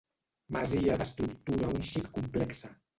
Masia d'estructura un xic complexa.